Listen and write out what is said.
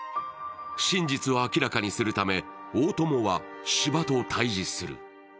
真実を明らかにするため大友は斯波と対じする。